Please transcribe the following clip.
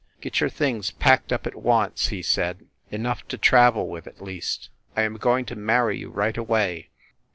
"Get your things packed up at once!" he said. "Enough to travel with, at least. I am going to marry you right away!